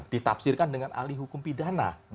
ditafsirkan dengan ahli hukum pidana